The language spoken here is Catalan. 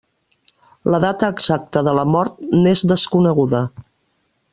La data exacta de la mort n'és desconeguda.